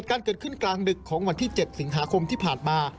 การเกิดขึ้นกลางดึกของวันที่๗สิงหาคมที่ผ่านมา